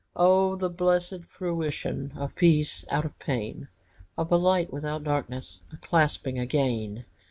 _ Oh, the blessed fruition Of peace out of pain! Of a light without darkness, A clasping again!